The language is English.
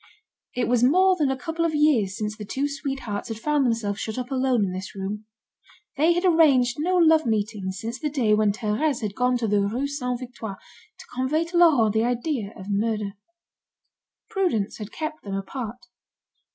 It was more than a couple of years since the two sweethearts had found themselves shut up alone in this room. They had arranged no love meetings since the day when Thérèse had gone to the Rue Saint Victor to convey to Laurent the idea of murder. Prudence had kept them apart.